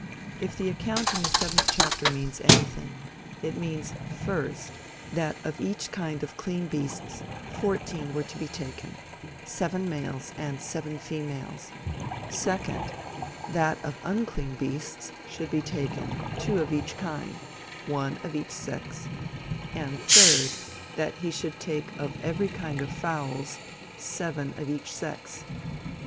If the account in the seventh chapter means anything, it means first, that of each kind of clean beasts, fourteen were to be taken, seven males, and seven females; second, that of unclean beasts should be taken, two of each kind, one of each sex, and third, that he should take of every kind of fowls, seven of each sex.